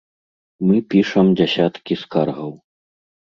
Мы пішам дзясяткі скаргаў.